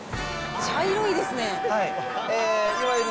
茶色いですね。